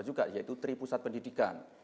juga yaitu tri pusat pendidikan